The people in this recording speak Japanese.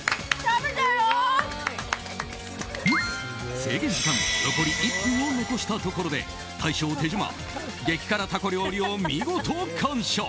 制限時間残り１分を残したところで大将・手島激辛タコ料理を見事完食！